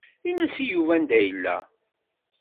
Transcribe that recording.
In-as i Yuba anda yella.